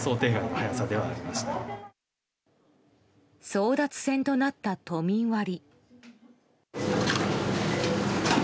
争奪戦となった都民割。